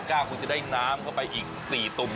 ๓๕๙บาทคุณจะได้น้ำเข้าไปอีก๔ตุ๋มใหญ่แบบนี้